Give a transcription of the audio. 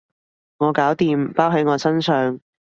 我搞掂，包喺我身上